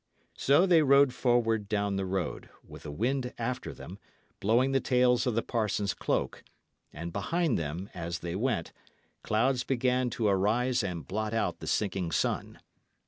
So they rode forward down the road, with the wind after them, blowing the tails of the parson's cloak; and behind them, as they went, clouds began to arise and blot out the sinking sun.